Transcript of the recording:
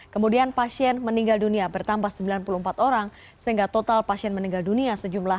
kemudian pasien meninggal dunia bertambah sembilan puluh empat orang sehingga total pasien meninggal dunia sejumlah enam lima ratus sembilan puluh empat